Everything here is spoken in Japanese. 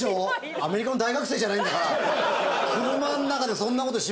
アメリカの大学生じゃないんだから車の中でそんな事しませんよ。